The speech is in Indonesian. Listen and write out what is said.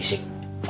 apa yang itu